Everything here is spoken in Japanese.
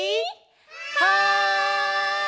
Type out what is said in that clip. はい！